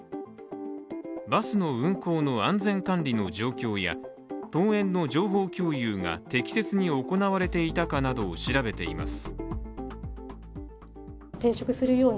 バスの運行の安全管理の状況や登園の情報共有が適切に行われていたかなどを調べています。